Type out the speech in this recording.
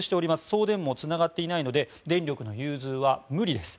送電網、つながっていないので電力の融通は無理です。